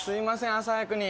朝早くに。